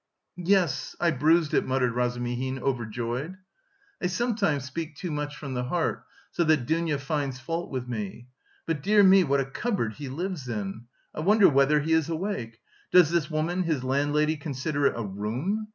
"Yes, I bruised it," muttered Razumihin overjoyed. "I sometimes speak too much from the heart, so that Dounia finds fault with me.... But, dear me, what a cupboard he lives in! I wonder whether he is awake? Does this woman, his landlady, consider it a room?